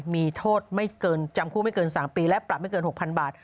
มีโทษไม่เกินจำคุกไม่เกิน๓ปีและปรับไม่เกิน๖๐๐๐บาท